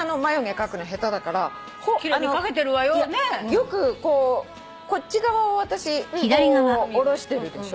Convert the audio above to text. よくこっち側を私こう下ろしてるでしょ。